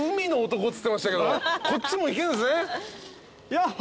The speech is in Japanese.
こっちもいけるんすね。